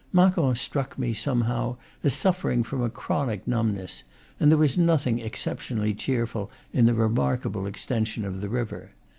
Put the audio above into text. Macon struck me, somehow, as suffer ing from a chronic numbness, and there was nothing exceptionally cheerful in the remarkable extension of the river.